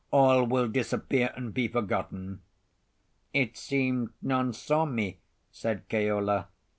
All will disappear and be forgotten." "It seemed none saw me," said Keola.